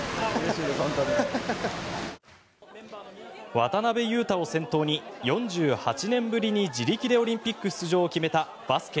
渡邊雄太を先頭に４８年ぶりに自力でオリンピック出場を決めたバスケ